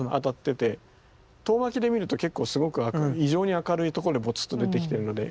遠巻きで見ると結構すごく異常に明るいところでぼつっと出てきてるので。